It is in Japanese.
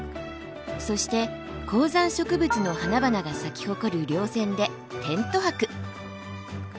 そして高山植物の花々が咲き誇る稜線でテント泊。